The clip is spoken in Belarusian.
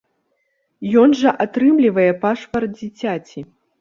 Ён жа атрымлівае пашпарт дзіцяці.